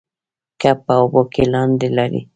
کب په اوبو کې لاندې لاړ.